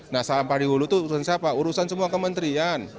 nah sampah di hulu itu urusan siapa urusan semua kementerian